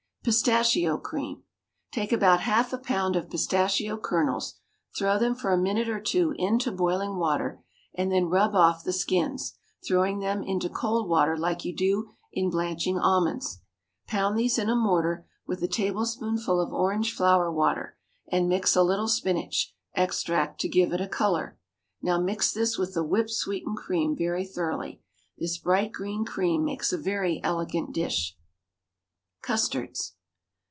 PISTACHIO CREAM. Take about half a pound of pistachio kernels, throw them for a minute or two into boiling water, and then rub off the skins, throwing them into cold water like you do in blanching almonds. Pound these in a mortar with a tablespoonful of orange flower water, and mix a little spinach extract to give it a colour. Now mix this with the whipped sweetened cream very thoroughly. This bright green cream makes a very elegant dish. CUSTARDS.